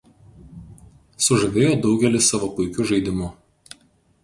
Sužavėjo daugelį savo puikiu žaidimu.